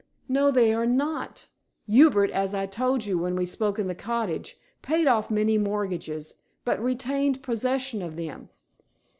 "No; they are not. Hubert, as I told you when we spoke in the cottage, paid off many mortgages, but retained possession of them.